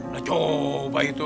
nah coba itu